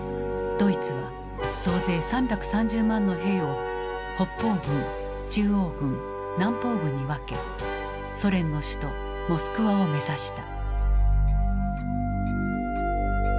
ドイツは総勢３３０万の兵を北方軍中央軍南方軍に分けソ連の首都モスクワを目指した。